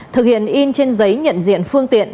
thực hiện in trên giấy nhận diện phương tiện